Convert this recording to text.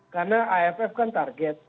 karena aff kan target